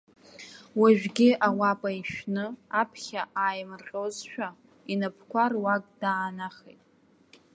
Уажәгьы ауапа ишәны, аԥхьа ааимирҟьозшәа, инапқәа руак даанахеит.